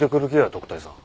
特対さん。